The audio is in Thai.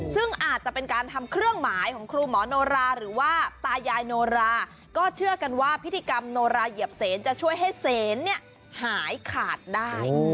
ซึ่งอาจจะเป็นการทำเครื่องหมายของครูหมอโนราหรือว่าตายายโนราก็เชื่อกันว่าพิธีกรรมโนราเหยียบเสนจะช่วยให้เสนเนี่ยหายขาดได้